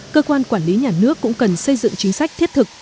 cơ quan quản lý nhà nước cũng cần xây dựng chính sách thiết thực